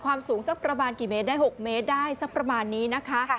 ความสูงประมาณกี่เมตรได้๖เมตรได้ประมาณนี้นะคะ